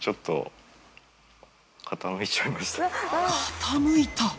「傾いた」